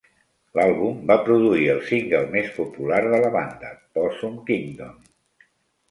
L'àlbum va produir el single més popular de la banda "Possum Kingdom".